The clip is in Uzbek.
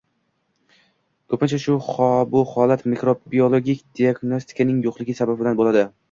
Ko‘pincha bu holat mikrobiologik diagnostikaning yo‘qligi sababidan bo‘ladi.